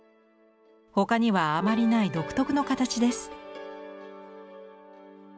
他にはあまりない独特の形です。